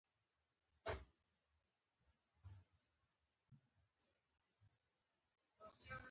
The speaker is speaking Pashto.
دوکاندار د دوستۍ پلوي کوي.